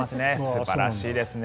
素晴らしいですね。